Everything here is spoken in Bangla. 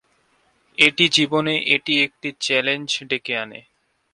এটি জীবনে এটি একটি চ্যালেঞ্জ ডেকে আনে।